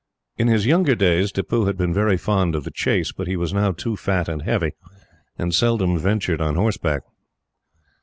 In his younger days, Tippoo had been very fond of the chase, but he was now too fat and heavy, and seldom ventured on horseback.